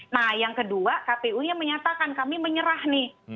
nah yang kedua kpu nya menyatakan kami menyerah nih